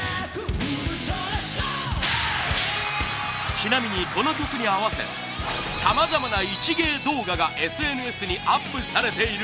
ちなみにこの曲に合わせ様々な一芸動画がＳＮＳにアップされている。